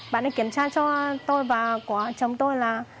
bạn ấy kiểm tra cho tôi và của chồng tôi là